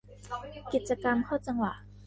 กิจกรรมเข้าจังหวะ